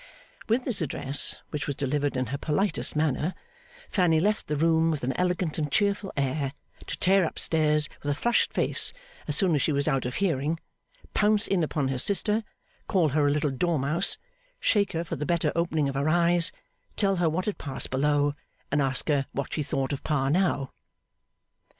With this address, which was delivered in her politest manner, Fanny left the room with an elegant and cheerful air to tear up stairs with a flushed face as soon as she was out of hearing, pounce in upon her sister, call her a little Dormouse, shake her for the better opening of her eyes, tell her what had passed below, and ask her what she thought of Pa now?